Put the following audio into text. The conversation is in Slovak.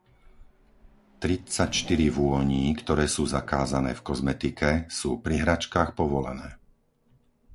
Tridsať štyri vôní, ktoré sú zakázané v kozmetike, sú pri hračkách povolené.